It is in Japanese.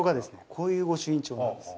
こういう御朱印帳なんです。